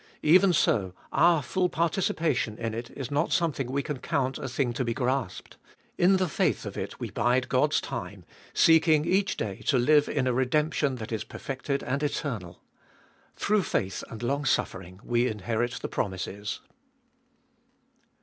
Even so, our full participation in it is not something we can count a thing to be grasped ; in the faith of it we bide God's time, seeking each day to Hue in a redemption that is perfected and eternal. Through faith and longsuffering we inherit the promises.